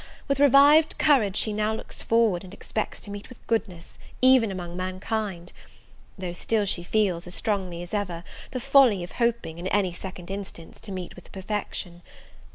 with revived courage she now looks forward, and expects to meet with goodness, even among mankind: though still she feels, as strongly as ever, the folly of hoping, in any second instance, to meet with perfection.